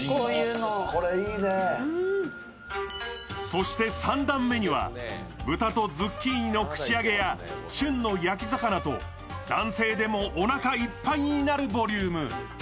そして３段目には豚とズッキーニの串揚げや旬の焼き魚と、男性でもおなかいっぱいになるボリューム。